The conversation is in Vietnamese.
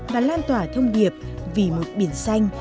và lan tỏa thông điệp vì một biển xanh